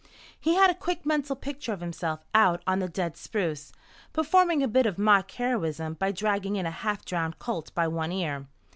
He had a quick mental picture of himself out on the dead spruce, performing a bit of mock heroism by dragging in a half drowned colt by one ear.